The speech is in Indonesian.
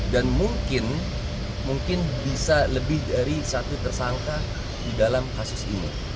dan mungkin mungkin bisa lebih dari satu tersangka di dalam kasus ini